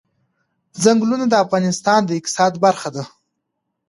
ځنګلونه د افغانستان د اقتصاد برخه ده.